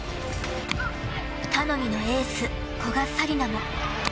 頼みのエース古賀紗理那も。